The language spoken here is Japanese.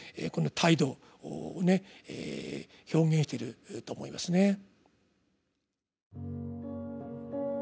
この態度をね表現してると思いますね。